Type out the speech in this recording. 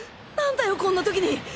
なんだよこんな時に！